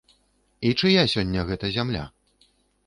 І чыя сёння гэта зямля?